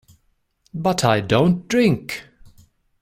But I don't drink.